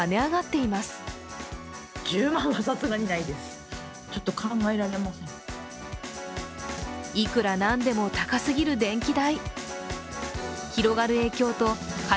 いくらなんでも高すぎる電気代。